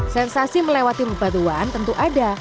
sensasi melewati bebatuan tentu ada